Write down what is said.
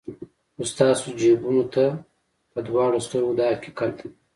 خو ستاسو جیبونو ته په دواړو سترګو دا حقیقت دی.